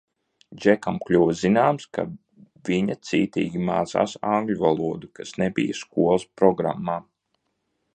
Džekam kļuva zināms, ka viņa cītīgi mācās angļu valodu, kas nebija skolas programmā.